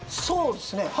そうですね。